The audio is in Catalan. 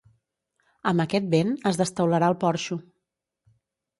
Amb aquest vent, es desteularà el porxo.